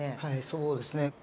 はいそうですね。